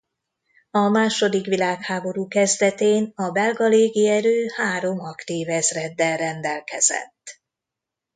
A második világháború kezdetén a belga légierő három aktív ezreddel rendelkezett.